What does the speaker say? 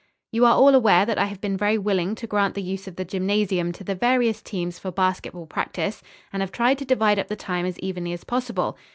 "You are all aware that I have been very willing to grant the use of the gymnasium to the various teams for basketball practice, and have tried to divide up the time as evenly as possible.